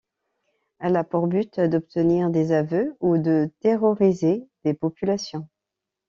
Elle a pour but d'obtenir des aveux ou de terroriser des populations.